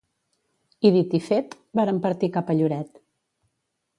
I dit i fet, vàrem partir cap a Lloret.